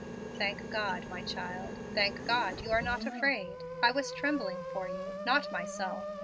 "Thank God, my child, thank God you are not afraid. I was trembling for you, not myself.